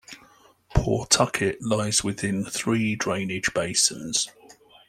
Pawtucket lies within three drainage basins.